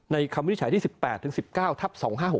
ในคำวิทยาศาสตร์ที่๑๘๑๙ทับ๒๕๖๓